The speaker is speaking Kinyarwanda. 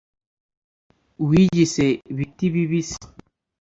Wiyise biti bibisi